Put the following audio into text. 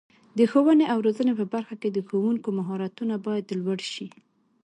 د ښوونې او روزنې په برخه کې د ښوونکو مهارتونه باید لوړ شي.